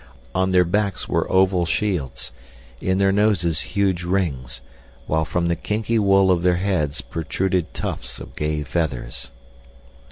On their backs were oval shields, in their noses huge rings, while from the kinky wool of their heads protruded tufts of gay feathers.